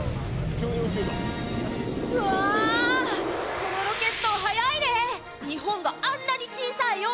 うわー、このロケット、速いね、日本があんなに小さいよ。